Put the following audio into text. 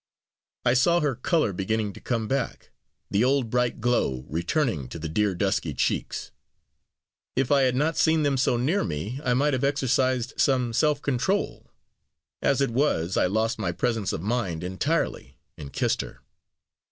I saw her color beginning to come back the old bright glow returning to the dear dusky cheeks. If I had not seen them so near me, I might have exercised some self control as it was, I lost my presence of mind entirely, and kissed her.